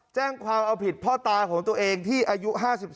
แจ้งความเอาผิดพ่อตาของตัวเองที่อายุ๕๓